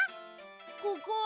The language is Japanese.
ここは？